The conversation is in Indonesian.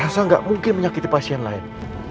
rasa gak mungkin menyakiti pasien lain